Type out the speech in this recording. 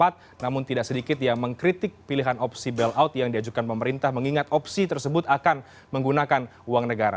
namun tidak sedikit yang mengkritik pilihan opsi bailout yang diajukan pemerintah mengingat opsi tersebut akan menggunakan uang negara